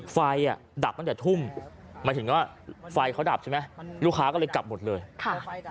ไฟอ่ะดับตั้งแต่ทุ่มหมายถึงว่าไฟเขาดับใช่ไหมลูกค้าก็เลยกลับหมดเลยค่ะ